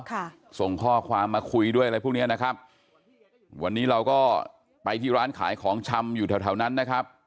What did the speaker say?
ค่ะส่งข้อความมาคุยด้วยอะไรพวกเนี้ยนะครับวันนี้เราก็ไปที่ร้านขายของชำ